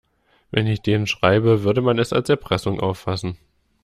Wenn ich denen schreibe, würde man es als Erpressung auffassen.